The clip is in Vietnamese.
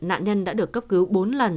nạn nhân đã được cấp cứu bốn lần